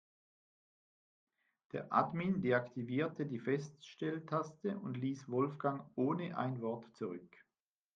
Der Admin deaktivierte die Feststelltaste und ließ Wolfgang ohne ein Wort zurück.